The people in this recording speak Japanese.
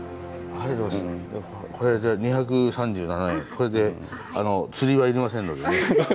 これであの釣りはいりませんのでね。